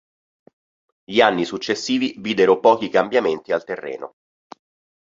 Gli anni successivi videro pochi cambiamenti al terreno.